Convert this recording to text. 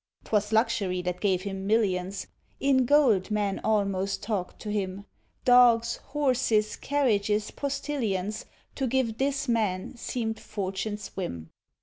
'Twas luxury that gave him millions: In gold men almost talked to him. Dogs, horses, carriages, postillions, To give this man seemed Fortune's whim.